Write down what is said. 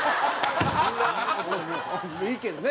いいけどね。